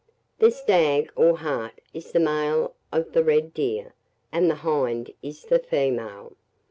The stag, or hart, is the male of the red deer, and the hind is the female.